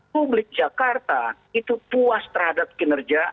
publik jakarta itu puas terhadap kinerja